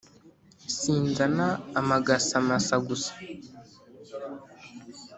Sinzana amagasa masa gusa.